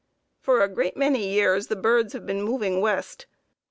For a great many years the birds have been moving west.